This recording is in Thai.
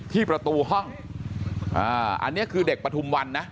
ที่ประตูห้องอันนี้คือเด็กปฐุมวันนะ